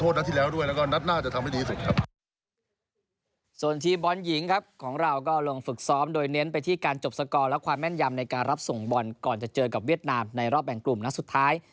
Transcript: ส่วนทีมบอลหญิงครับของเราก็ลงฝึกซ้อมโดยเน้นไปที่การจบสกอร์และความแม่นยำในการรับส่งบอลก่อนจะเจอกับเวียดนามในรอบแบ่งกลุ่มนัดสุดท้าย